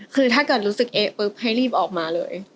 คือถ้าเกิดรู้สึกเอ๊ะปุ๊บให้รีบออกมาเลย